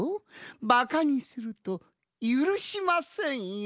ばかにするとゆるしませんよ。